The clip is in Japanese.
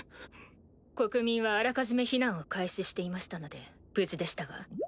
国民はあらかじめ避難を開始していましたので無事でしたが。